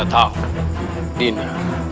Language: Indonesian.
kanda akan mencari kanda